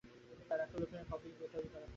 পারকুলেটরে coffee তৈরি করা হয়।